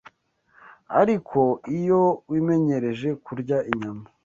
Ariko iyo wimenyereje kurya inyama